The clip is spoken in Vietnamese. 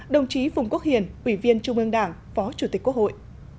đồng chí phùng quốc hiền ủy viên trung ương đảng phó chủ tịch quốc hội